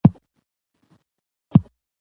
د مېلو له لاري خلک له شخړو او ستونزو څخه دمه اخلي.